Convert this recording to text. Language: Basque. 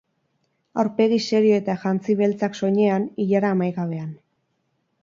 Aurpegi serio eta jantzi beltzak soinean, ilara amaigabean.